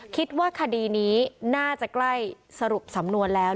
คิดว่าคดีนี้น่าจะใกล้สรุปสำนวนแล้ว